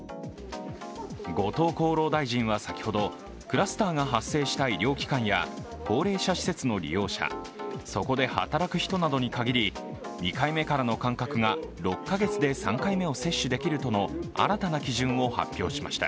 後藤厚労大臣は先ほど、クラスターが発生した医療機関や高齢者施設の利用者、そこで働く人などに限り２回目からの間隔が６カ月で３回目を接種できるとの新たな基準を発表しました。